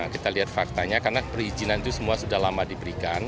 kita lihat faktanya karena perizinan itu semua sudah lama diberikan